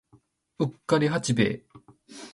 うっかり八兵衛